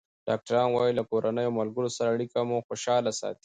ډاکټران وايي له کورنۍ او ملګرو سره اړیکه مو خوشحاله ساتي.